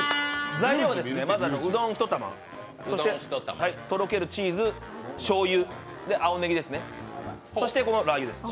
材料は、まずはうどん１玉とろけるチーズ、しょうゆ、青ねぎですね、そしてこのラー油です。